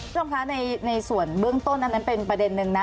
ทุกคนค่ะในส่วนเบื้องต้นอันนั้นเป็นประเด็นหนึ่งนะ